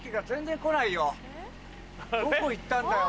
どこ行ったんだよ